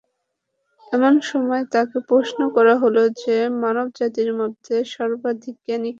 এমন সময় তাঁকে প্রশ্ন করা হল যে, মানব জাতির মধ্যে সর্বাধিক জ্ঞানী কে?